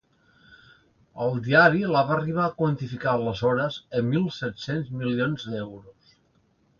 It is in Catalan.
El diari la va arribar a quantificar aleshores en mil set-cents milions d’euros.